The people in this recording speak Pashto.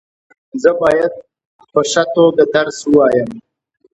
زه باید په ښه توګه درس وایم.